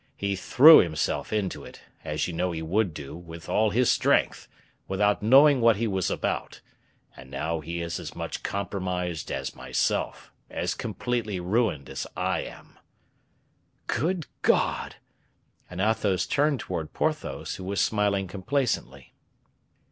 He threw himself into it, as you know he would do, with all his strength, without knowing what he was about; and now he is as much compromised as myself as completely ruined as I am." "Good God!" And Athos turned towards Porthos, who was smiling complacently.